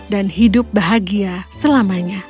dan hidup bahagia selamanya